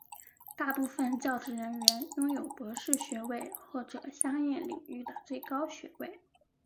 大部分教职人员拥有博士学位或者相应领域的最高学位。